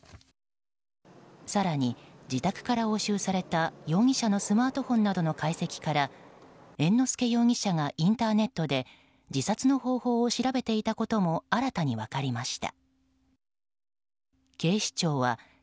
更に自宅から押収された容疑者のスマートフォンなどの解析から猿之助容疑者がインターネットで自殺の方法を調べていたことも新たに分かりました。